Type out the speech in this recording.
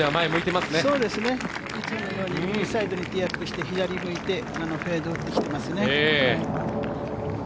いつものように右サイドにティーアップして左向いてフェードを打ってきてますね。